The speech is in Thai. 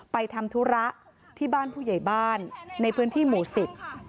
ทำธุระที่บ้านผู้ใหญ่บ้านในพื้นที่หมู่สิบ